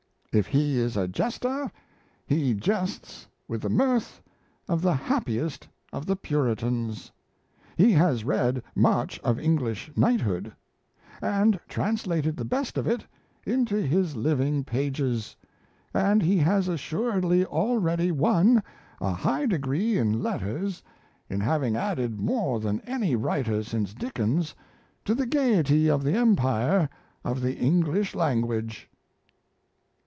... If he is a jester, he jests with the mirth of the happiest of the Puritans; he has read much of English knighthood, and translated the best of it into his living pages; and he has assuredly already won a high degree in letters in having added more than any writer since Dickens to the gaiety of the Empire of the English language."